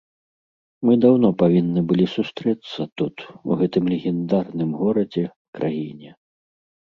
Мы даўно павінны былі сустрэцца тут, у гэтым легендарным горадзе, краіне.